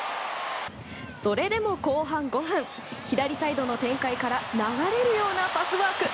それでも後半５分左サイドの展開から流れるようなパスワーク。